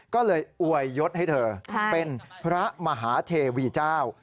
ก็เลยอวยยศให้เธอเป็นพระมหาเทวีเจ้า